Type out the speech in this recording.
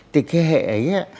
thì cái hệ ấy